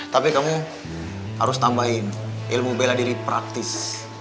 tapi kamu harus tambahin ilmu bela diri praktis